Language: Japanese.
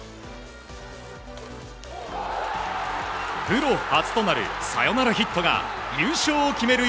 プロ初となるサヨナラヒットが優勝を決める